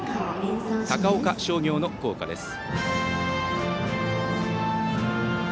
高岡商業の校歌です。